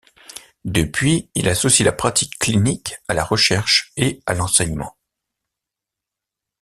Depuis, il associe la pratique clinique à la recherche et à l'enseignement.